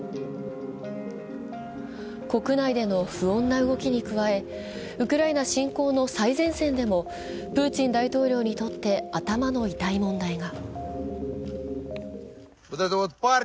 国内での不穏な動きに加え、ウクライナ侵攻の最前線でもプーチン大統領にとって頭の痛い問題が。